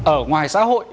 ở ngoài xã hội